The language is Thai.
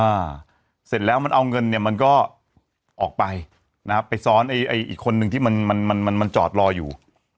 อ่าเสร็จแล้วมันเอาเงินเนี่ยมันก็ออกไปนะครับไปซ้อนไอ้ไอ้อีกคนนึงที่มันมันมันจอดรออยู่